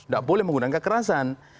nggak boleh menggunakan kekerasan